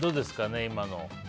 今の。